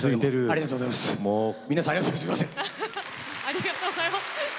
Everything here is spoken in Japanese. ありがとうございます。